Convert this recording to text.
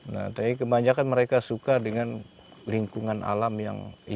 nah tapi kebanyakan mereka suka dengan lingkungan alam yang